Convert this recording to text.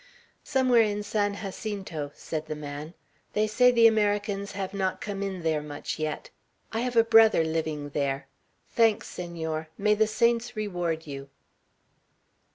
"Somewhere in San Jacinto," said the man. "They say the Americans have not come in there much yet. I have a brother living there. Thanks, Senor; may the saints reward you!"